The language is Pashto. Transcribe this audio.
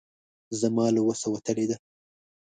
زما له وسه وتلې ده.